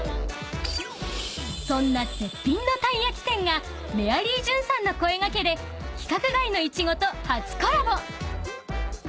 ［そんな絶品のたい焼き店がメアリージュンさんの声掛けで規格外のイチゴと初コラボ］